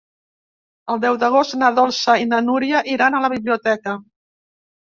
El deu d'agost na Dolça i na Núria iran a la biblioteca.